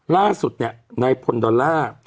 ล่าสุดนายพอลดอลลาร์